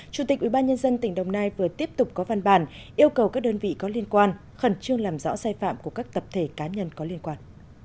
chủ tịch ubnd tỉnh đồng nai vừa tiếp tục có văn bản yêu cầu các đơn vị có liên quan khẩn trương làm rõ sai phạm của các tập thể cá nhân có liên quan